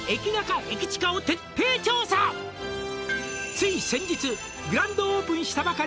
「つい先日グランドオープンしたばかりの」